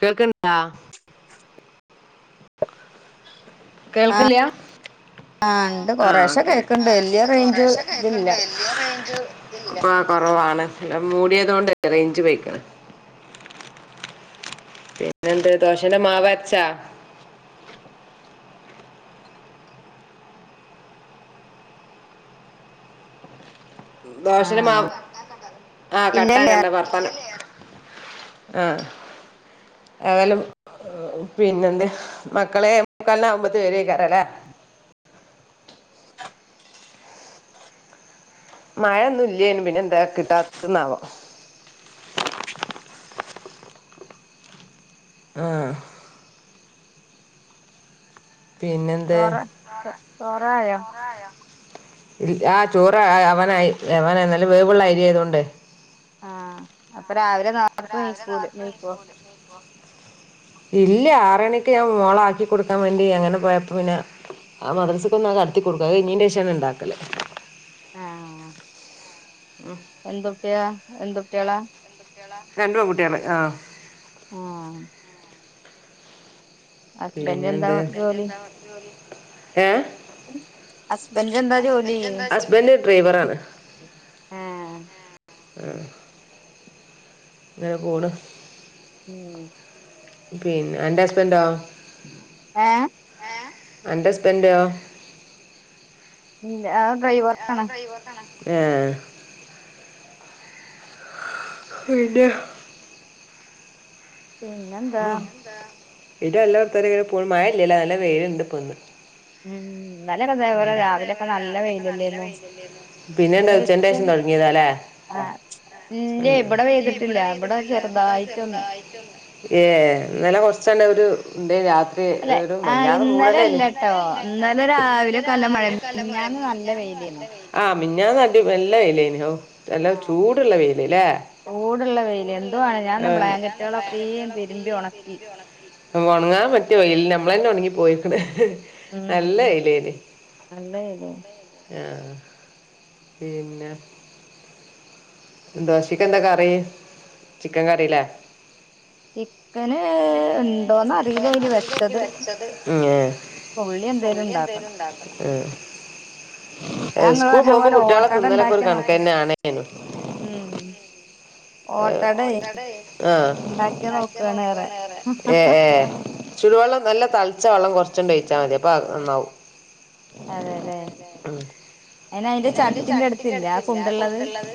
കേൾക്കണ്ടാ? ആഹ് കേൾക്കില്ല? ആഹ് ഇണ്ട് ആ ആ കൊറേശെ കേക്ക്ണ്ട് വല്യ ഇണ്ട് റേഞ്ച് കൊറശെ ഇതില്ല കേക്കണ്ട് വലിയ റേഞ്ച് അപ്പൊ കുറവാണ് അല്ല മൂടിയതൊണ്ട് റേഞ്ച് പോ പിന്നെന്ത് ദോഷന്റെ മാവ് അരച്ചാ? ദോഷൻ്റെ മാ ആ ഇല്ലല്ലേ കട്ടാക്കണ്ട വർത്താനം ആ [unintelligible] പിന്നെ എന്ത് മക്കളെ മുക്കാലിന ആവുമ്പത്ത [unintelligible] [unintelligible] മഴൊന്നും ഇല്ല ഇന്ന് പിന്നെ എന്താ കിട്ടാത്തന്നാവോ. ആ. പിന്നെന്ത് ചോറ ചോറായോ? ആ ചോറ് ആവനായി അവന നല്ല വേവുള്ള അരി ആയതൊണ്ട് ആഹ് അപ്പരാ അപ്പ രാവിലെ [inaudible] ഇല്ല ആറ്ണിക്ക് ഞാൻ മോള ആക്കി കൊടുക്കാൻ വേണ്ടി എങ്ങനെ പോയപ്പ പിന്നെ ആ മദ്രസക്കൊ [unintelligible] കൊടുക്കുക അത് കഴിഞ്ഞതിൻ്റെ ശേഷം ഉണ്ടാക്കല്. എന്തൊക്കയാ എന്തൊട്ടികളാ? രണ്ട് പെൺകുട്ടികള് ആഹ്. ആഹ്. ഹസ്ബൻഡ് എന്താ പിന്നെന്താ? ജോലി ഏ? ഹസ്ബൻഡ് ന്താ ജോലി? ഹസ്ബൻഡ് ഡ്രൈവറാണ് ആ. ആ. ങ്ങനെ പോണ്. ഉം. പിന്നെ അന്റെറെ ഹസ്ബൻഡോ? ഏ? അന്റെ ഹസ്ബൻഡോ? ആ ഡ്രൈവർ ആണ്. ഏ. പിന്നെ? പിന്നെന്താ? ഇത് അല്ല [unintelligible] പ്പൊ പോണ്. മഴയില്ലല്ലേ നല്ല വെയിലുണ്ട്. ഇപ്പൊ ഇന്ന്. [inaudible] [unintelligible] ഇതേപോലെ രാവിലെക്കെ നല്ല വെയിലല്ലേന്നോ പിന്നെ ഒരു ഉച്ചന്റെ ഉച്ച ശേഷം തുടങ്ങിയതല്ലേ? ആഹ് ഇല്ലേ ഇവിടെ പിന്ന പെയ്തിട്ടില്ല ഇവിടെ പെയ്തിട്ടില്ല. ഇവിടെ ചെറുതായിട്ടൊന്ന് ചെറുതായിട്ടൊ ഏ ഇന്നലെ കൊറച്ചണ അവര് ഇന്ത രാത്രി അല്ലെ ആഹ് വല്ലാത മൂ [inaudible] ഇന്നലെ അല്ലട്ടോ ഇന്നലെ രാവിലെയൊക്കെ നല്ല മഴ മിനിഞ്ഞാന്ന് നല്ല വെയിലേന്നു ആ മിനിഞ്ഞാന്ന് നല്ല നല്ല വെയിലിനു ഓ. നല്ല ചൂടുള്ള വെയില് ല്ലേ? ചൂടുള്ള വെയില് എന്തുവാണ് ഞാൻ ബ്ലാങ്കറ്റുകളൊക്കെ തിരുമ്പി ഉണക്കി. ഉണങ്ങാൻ പറ്റിയ വെയില് നമ്മള തന്നെ ഉണങ്ങി പോയിക്കണ. ഉം നല്ല വെയി ആ പിന്നെ ദോശക്ക് എന്താ കറി ചിക്കൻ കറില്ലേ? ചിക്കന് [unintelligible] ഉണ്ടോന്ന് അറിയില്ല എന്തോന്ന് അയില് അറില്ല വെച്ചത്. ഉള്ളി എന്തേലും ഉണ്ടാക്കണം. ഞാ ഇങ്ങള് പറഞ്ഞ പോലെ കുട്ടികളെ ഓട്ടട തിന്നലൊക്കെ ഒരു ഉണ്ടാക്കി നോക്ക കണക്കന്നെ ഉം ഓട്ടട ഓട്ടടെയ് ഉണ്ടാക്കിയ ഉണ്ടാക്കി ഏറെ നോക്കാണ് പറയ ഏഹ് ഏഹ് ചുടുവെള്ളം നല്ല തളച്ച വെള്ളം കൊറച്ചണ്ട് ഒഴിച്ചാ മതി അപ്പൊ നന്നാവും അതെലേ അയ്ന് അയ്ന്റെ ചട്ടി ഇന്റടുത്തില്ല ആ കുണ്ടുള്ളത്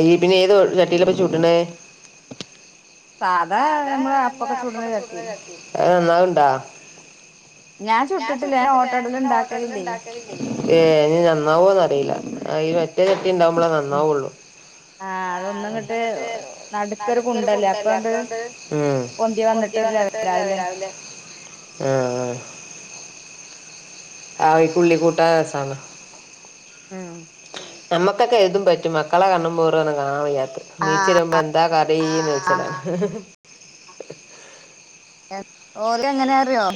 ഇയ്യ് പിന്നെ ഏത് ചട്ടിയിലപ്പ ചുടണത് സാധാ നമ്മള് അപ്പൊക്കെ ചുട്ണ ചട്ടി ആ നന്നാവ്ണ്ടോ ഞാൻ ചുട്ടിട്ടില്ല ഞാൻ പിന്നെ ഓട്ടട ഉണ്ടാക്കല് ഇല്ലെയ് ഏഹ് ഇനി നന്നാവോന്നറി ല്ല ആ ഈ മറ്റേ ചട്ടി ഉണ്ടാവുമ്പളേ നന്നാവൊള്ളു ആഹ് അതൊന്നും ഇങ്ങട്ട് അതൊന്നങ്ങട്ട് നടുക്കൊരു കുണ്ടല്ലേ അപ്പങ്ങട് ഉം പൊന്തി പൊ ന്തി വന്നിട്ട് ലെവലാവുല്ലേ [unintelligible] ലേ ആഹ് ആഹ് അയ്ക്ക് ഉള്ളി കൂട്ടാ രസാണ്‌ ഞമ്മക്കൊക്കെ ഏതും പറ്റും മക്കളെ കണ്ണും മോറോണ് കാണാൻ വയ്യാത്തെ നീച്ച് വരുമ്പം എന്താ കറി ചോയ്ച്ചിട്ടാ ഏഹ് ഓല് എങ്ങനാറിയോ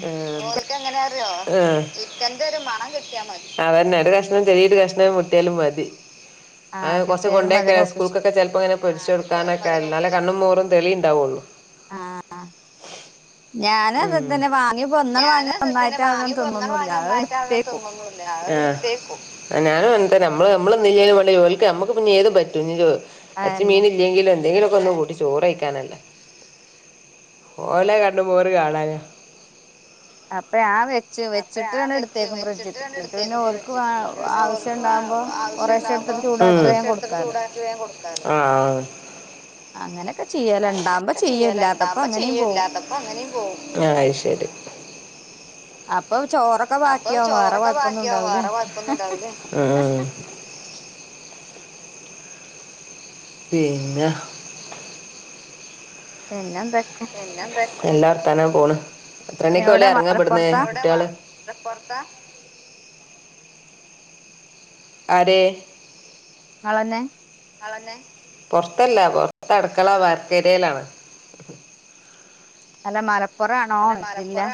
ക്കെങ്ങനെ അറിയോ ആഹ് ചിക്കന്റെ ഒരു മണം കിട്ടിയാ മതി അതെന്നെ ഒരുകഷ്ണം ചെറിയൊരു കഷ്ണം മുട്ടിയാലും മ മതി അത് ആഹ് കൊറച്ച് കിട്ടിയാലും കൊണ്ടെക്കെ അതിനെ ഒപ്പിച്ച് സ്കൂൾക്കൊക്കെ ചെലപ്പങ്ങനെ പൊരിച്ചു കൊടുക്കാനൊക്കെ ന്നാല് കണ്ണും മോറും തെളിയിണ്ടാവൊള്ളൂ ആഹ് ആഹ് ഞാനും അത് ഉം തന്നെ വാങ്ങിയപ്പം ഇന്നണ് വാങ്ങിയപ്പം ഒന്നായിട്ട് അത് തിന്നൊന്നില്ല അത് എട്ത്തേക്കും ആഹ് ഞാനും അങ്ങനെ തന്നെ നമ്മള് നമ്മള് തിന്നില്ലേലും വേണ്ടില്ല ഓൽക്ക് നമ്മക്ക് പിന്നെ ഏതും പറ്റും ഇ എറച്ചിം അതെന്നെ മീനും ഇല്ലെങ്കിലും എന്തെങ്കിലും ഒന്ന് കൂട്ടി ചോറ് വെയ്ക്കാനല്ലെ ഓലെ കണ്ണും മോറും കാണാന അപ്പൊ ഞാൻ വെച്ച് അപ്പ ആ വെച്ചിട്ടാണ് വെച്ച് എടുത്തേക്കും വെച്ചിട്ട് ഫ്രിഡ്ജ്ക്ക് രണ്ട എന്നിട്ട് പിന്നെ എടുത്തേക്കുമ്പ ഓൽക്ക് വച്ചിട്ടിട്ട് പിന്നെ ആവശ്യം ഉണ്ടാവുമ്പോ ഓർക്ക്- കൊറേശെ ആവശ്യംണ്ടാകുമ്പോ എടുത്തിട്ട് ചൂടാക്കി വേഗം കുറെശ്ശെ എടുത്ത് കൊടുക്കാലോ ചൂടാക്കിവേഗംകൊടുക്കാലോ- അങ്ങനൊക്കെ ചെയ്യല് ഇണ്ടാവുമ്പോ അങ്ങനക്കെ ചെയ്യും ചെയ്യല ഇല്ലാത്തപ്പോ ഉണ്ടാവകുമ്പോ അങ്ങനെയും പോവും ചെയ്യൂല്ലാതപ്പോ അങ്ങനെയും പോകും- അപ്പൊ- ചോറൊക്കെ ബാക്കിയാവ വേറ കൊഴപ്പൊന്നും ഇണ്ടാവൂല- ഉം പിന്നെ- പിന്നെന്താ- എല്ലാ വർത്താനം പോണ് എത്ര മണിക്ക് ഓല് എവിടെ ഇറങ്ങാ ഇബടന്ന് മലപ്പുറത്താ കുട്ടികള്- ന്താ പൊറ്ത്താ- ആരെ- ആളന്നെ- പൊറത്തല്ല പൊറത്തടുക്കള വാർക്കേരിയേലാണ് അല്ല മലപ്പൊറ ആണോ ജില്ല-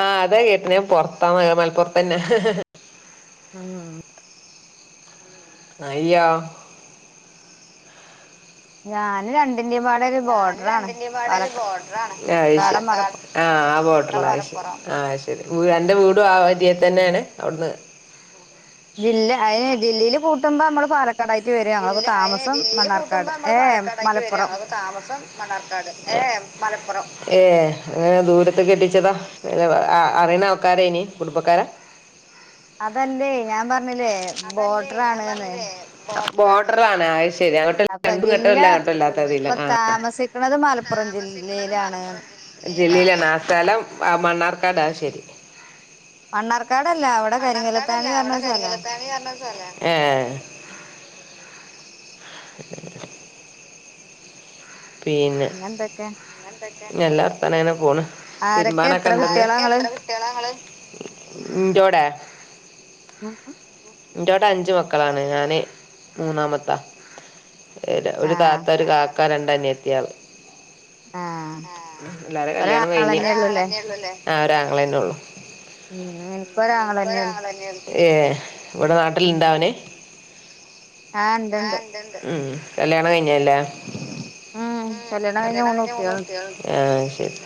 ആഹ് അതാ കേട്ടന പുറത്താന്ന മലപ്പുറത്തന്നെ- ആഹ് - അയ്യോ- ഞാന് രൺ- ഞൻ രണ്ടിന്റെപാട ഒരു ബോർഡറണ് പാലക്കാട് മലപ്പുറം ആഹ് ആ ബോഡർ അത് ശരി അത് ശരി രണ്ട് വീടും ആ ഏരിയേ തന്നെയാണ് അവിടുന്ന്- ജില്ല അതിന് ജില്ലയില് കൂട്ടുമ്പോ നമ്മള് പാലക്ക- ജില്ല ജില്ലിയിൽ കൂട്ടുമ്പോ നമ്മള് ഏ പാലക്കാടായിട്ട് വരു മലപ്പുറം അപ്പൊ താമസം മണ്ണാർക്കാട്- ഏഹ് മലപ്പ് പ്പുറം ഏ അങ്ങനെ ദൂരത്ത് കെട്ടിച്ചതാ അറിയണ ആൾക്കാരേനി കുടുംബക്കാരാ- അതല്ലേ ഞാൻ പറഞ്ഞില്ലേ അതല്ലേ ഞാൻ ബോർഡറാണ്ന്ന് പറഞ്ഞില്ലേ ബോ ബോട്റ് മാണെ അത്ശെ അപ്പൊ ജില്ല, പ്പൊ ആ താമസിക്ക്ണത് മലപ്പുറം ജില്ലയിലാണ്ന്ന് ജില്ലിലാണ്, സ്ഥലം മണ്ണാർക്കാടാ ശെരി മണ്ണാർക്കാടല്ല, ഇവടെ കരിങ്കല്ലത്താണി പർഞ്ഞൊരു സ്ഥലാ ഏഹ് പിന്നെ പിന്നെന്തൊക്കെ നല്ലർത്താനം ഇങ്ങനെ പോണ് ആരൊക്കെ എത്ര തിരുമ്പാനൊക്കെണ്ടന്ന് കുട്ടികളാ ആരൊക്കെ, ഇങ്ങള് എത്ര കുട്യോളാങ്ങള്, ഇന്റോടെ [unintelligible] ഇന്റോടെ അഞ്ച് മക്കളാണ് ഞാന് മൂന്നാമത്താ ഏഹ് ഒരു ആഹ് താത്ത, ഒരു കാക്ക, രണ്ട് അനിയത്തിയാള്, ആഹ് ആഹ് എല്ലാരെ കല്യാണും കഴിഞ്ഞ് ഒരാങ്ങളെന്നെ ഉള്ളൂല്ലേ ഒരാങ്ങളെന്നെ ഒള്ളൂ ല്ലേ ആഹ് ഒരാങ്ങളന്നെ ഒള്ളു ഉം ഇൻക്ക് ഒരാങ്ങളെന്നെയൊള്ളു ഏഹ് ഇവടെ നാട്ടില്ണ്ടോ ഓന് ആഹ് ഇണ്ട്ണ്ട് ആണ്ട്ണ്ട് കല്യാണം കഴിഞ്ഞതല്ലേ? ഉം കല്യാണം കഴിഞ്ഞ് മൂന്ന് കുട്ട്യോള് ഇണ്ട്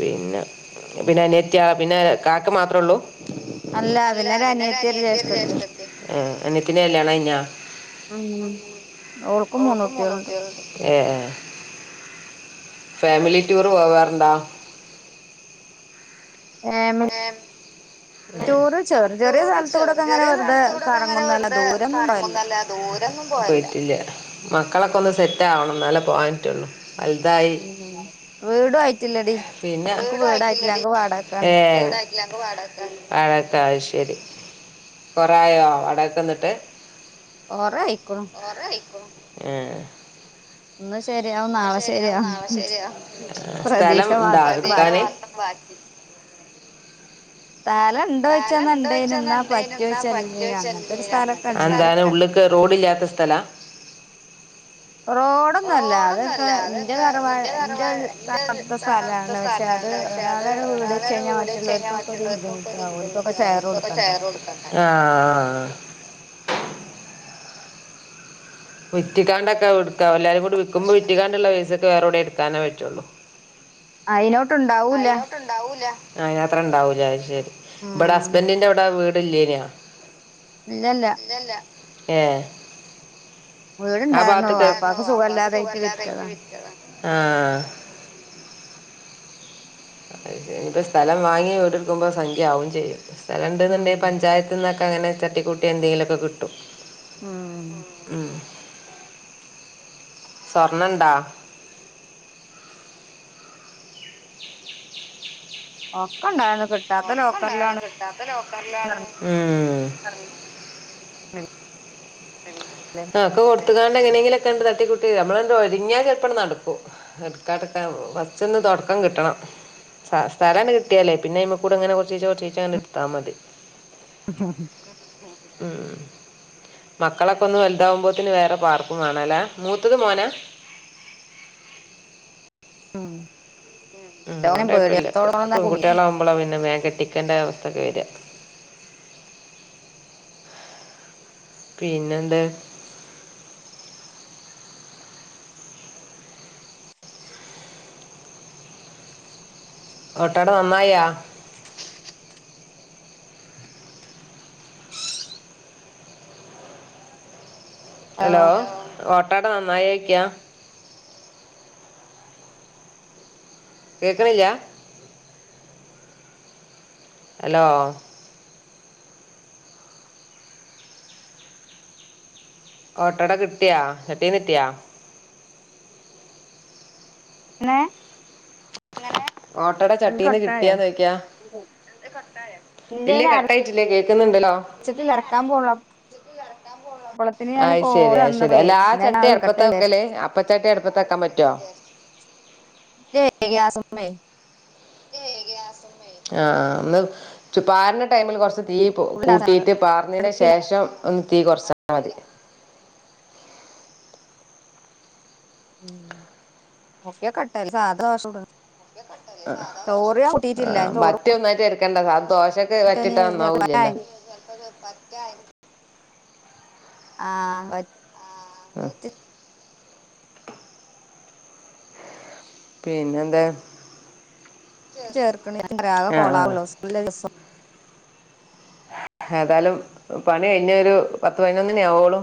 പിന്നെ പിനനിയത്യാ പിന്നെ കാക്ക മാത്ര ഒള്ളൂ അല്ല പിന്നെ ഒരു പിന്നൊരു അനിയത്തി അനിയതിം ഒരു ജ്യേഷ്ഠത്തി ജേഷ്ഠതിം ആ അനിയത്തിന്റെ കല്യാണം കഴിഞ്ഞാ ഉം ഉ ഓൾക്കും മൂന്ന് കുട്യോൾണ്ട് ഏ ഏ ഫാമിലി റ്റുറ് പോവാറുണ്ടാ ഫാമിലി ഏ ടൂറ് ചെറു ചെറിയ റ്റുർ സ്ഥലത്ത് ചെർ കൂടൊക്കെ അങ്ങനെ ചെറിയ വെറുതെ സ്ഥലത്ത് കൂടെക്കെങ്ങനെ കറങ്ങുന്നല്ല വെറുതെ ദൂരൊന്നും പോവലില്ല കറങ്ങൊന്നുംതെ ഇത്വറെന്നും പോയിട്ടില്ല. മക്കളൊക്കെ ഒന്ന് ഉം സെറ്റാവണം ന്നാലെ പോവാനറ്റുള്ളൂ ഉ വീടും ആയിട്ടില്ലടി മ്ക്ക് വീട് ആയിട്ടില്ല ഞമ്ക് വാടകക്കാൺ വീട് ആയിട്ടില്ല ഞമ്ക് വാടകക്കാൺ. വടാക്കാ അഹ്ശരി കൊറായോ വാടകക്ക്ന്നിട്ട് കൊറായിക്ണു ഏ ഇന്ന് ശരിയാവും ഇന്ന് നാളെ ശെരിയാവും നാളെ ശരിയാവും ശരിയാവും പ്രതീക്ഷ സ്ഥലം ഇണ്ടാ മാത്രം ഇട്കാന് ബാക്കി സ്ഥലം ഉണ്ടോയ്ച്ചാന്നണ്ടേനു സ്ഥലംണ്ടോയ്ച്ചാ എന്നാ ന്നാണ്ടെനും ന്നാ പറ്റോയ്ച്ചല്ലേനു പറ്റോഴ്ചാ അങ്ങനത്തെ ഒരു സ്ഥലൊക്കെ ല്ലെനും ഉണ്ട് അഎന്താ ഉള്ക് റോഡ് [unintelligible] ല്ലാത്ത സ്ഥലാ റോഡൊന്നുംല്ല അതൊക്കെ റോഡൊന്നല്ല ഇന്റെ അതൊക്കെ തറവാ ന്റെ ഇന്റെ തറവാ. ന്റെ ന്റെ തറവാട്ട്ത്തെ സ്ഥലാണ് [unintelligible] പക്ഷെ അത് സ്ഥലാണ് പക്ഷെ അത് ഒരാളൊരു വീട് വെച്ച് ഒരാളട് കഴിഞ്ഞാൽ വീട് വെചെഴിഞ്ഞാൽ മറ്റുള്ളവർക്കൊക്കെ ഒരു മറ്റുള്ളോർ ബുദ്ധിമുട്ടാ ഓൽക്കൊക്കെ ഷെയർ ബുദ്ധിമുട്ടാകും ഓൽകൊക്കെ കൊടുക്കണ്ടേ ഷെയർ കൊട്ക്കണ്ടേ. ആ ആ വിറ്റിക്കാണ്ടൊക്കെ എടുക്ക എല്ലാരും കൂടി വികുമ്പോ വിറ്റ്ങ്ങാണ്ടുള്ള പൈസക്ക് വേറെവ്ടേ എടുക്കാനേ പറ്റുള്ളൂ അയിനോട്ട്ണ്ടാവൂല അയ്നാത്ര ഉണ്ടാവൂല അഹ്ശെരി ഇബടെ ഉം ഹസ്ബൻന്റി ന്റവ്ടെ വീട് ഇല്ലേനോ ഇല്ലല്ല ഏ വീടുണ്ടായിരുന്നു ആബാത്ത്ക്. [unintelligible] വാപ്പാക്ക് വാപ്പാക് സുഖല്ലാതായിട്ട് സുഖല്യായിട്ട് വിറ്റതാണ് വിറ്റതാ സ്ഥലം വാങ്ങി വീടെടുക്കുമ്പോ സംഖ്യ ആവും ചെയ്യും സ്ഥലംണ്ട് ഉം ന്ന്ണ്ടെങ്കി പഞ്ചായത്തിന്നൊക്കെ അങ്ങനെ തട്ടിക്കൂട്ടി എന്തെലൊക്കെ കിട്ടും ഉം ഉം സ്വർണംണ്ടാ ഒക്കെണ്ടായിന്നു ഒക്കെണ്ടാർന്ന് കിട്ടാത്ത ലോക്കറിലാണ്ഉം പറ ഒക്കെ കൊടുത്തുങ്ങാണ്ട് എങ്ങനെയെങ്കിലൊക്കെണ്ട്തട്ടി കൂ ട്ടി നമ്മളണ്ട് ഒരുങ്ങ്യ ചെലപ്പ നടക്കും എടുക്കത്ക്കാ വച്ചന്ന് തുടക്കം കിട്ടണം സ്ഥല കിട്ടിയാലേ പിന്നെ അയി മ്മ കൂടെ ഇങ്ങനെ കൊറച്ചീച്ച കുറച്ചീച്ച്അങ്ങനെ എട്ത്താ മതി [unintelligible] ഉം മക്കളൊക്കെ ഒന്ന് വലുതാവുമ്പോത്ത്ന് വേറെ പാർക്കും വേണല്ലേ മൂത്തത് മോനാ ഉം ഓനെ അതോണ്ട് കൊഴപ്പല്ലപോ പേടിയത്തോളം കൂടി പെൺകുട്ടിളാവകുമ്പോളാ പിന്നെ വേ കെട്ടിക്കേണ്ട അവസ്ഥക്കെ വര പിന്നെന്ത് ഓട്ടട ന്നന്നായാ ഹലോ ഓട്ടോട നന്നായേക്കാ കേക്കണില്ല ഹലോ ഓട്ടട കിട്ടിയാ ചട്ടിന്ന് കിട്ടിയാ ന്നെ ഓട്ടട ചട്ടീന്ന് കിട്ടിയ കൊട്ടായോ നോയിക്കാ ഇല്ല കട്ടായിട്ടില്ല ഞാ ച്ചക്ക് കറക്കാൻ പോള്ള അ ശരി അ ശരി വന്നപ്പളേ അല്ല ആ പിന്നെ ഞാൻ ചട്ടി അടുപ്പത്ത എടുക്കട്ടെ വിചാരിച്ച് ആവെക്കല് അപ്പ ചട്ടി അടുപ്പത്താക്കാൻ പറ്റോ ല്ലേ ഗ്യാസമ്മേ ആ ആ പാരൻ ടൈമിൽ കുറച്ച് തി തീ ഫുള്ള്ണ്ടാക്കാ കൂട്ടിയിട്ട് പാർന്നതിന് അടുപ്പില്ല ശേഷം ഒ തീ കുറച്ച മതി ഉം [unintelligible] ആ ചോറ് മറ്റിയ ഒന്നായിട്ട് എര്ക്കണ്ട സ ദോ ക്കെ വറ്റിട്ടാന്നാവൂലല്ലോ കൂട്ടാഞ്ഞ് ആ അ പിന്നെന്താ ചേർക്കണ ആ കൊളാ ആ സ്കൂളില്ല ദീസം ഏതായാലും പണി കഴിഞ്ഞ ഒരു പത്ത് പതിനൊന്നിനെ ആവോളൂ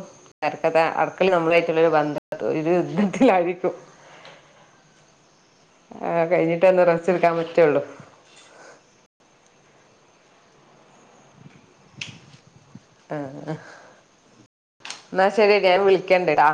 രക്കത്തെ അടക്കൽ നമ്മളായിട്ടുള്ള ഒരു ബന്ധ ഒരു യുദ്ധത്തിലായിരിക്കും ആകഴിഞ്ഞിട്ടന്ന് റസ്റ്റ്ടുക്കാൻ പറ്റുള്ളു ആ എന്നാ ശരിയ ഞാൻ വിളിക്കണ്ടടാ